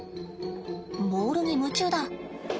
ボールに夢中だ。